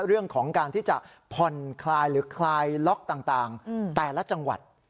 เรื่องของการที่จะผ่อนคลายหรือคลายล็อกต่างแต่ละจังหวัด